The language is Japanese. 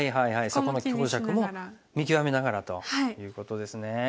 そこの強弱も見極めながらということですね。